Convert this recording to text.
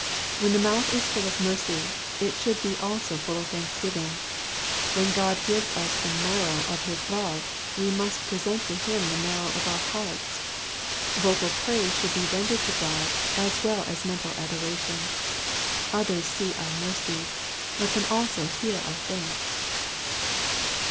When the mouth is full of mercy, it should be also full of thanksgiving. When God gives us the marrow of his love, we must present to him the marrow of our hearts. Vocal praise should be rendered to God as well as mental adoration ; others see our mercies, let them also hear our thanks.